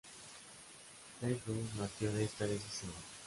L’Île-Rousse nació de esta decisión.